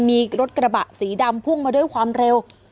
มีรถกระบะสีดำพุ่งมาด้วยความเร็ว